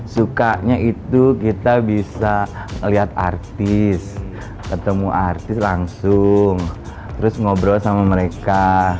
sukanya itu kita bisa melihat artis ketemu artis langsung terus ngobrol sama mereka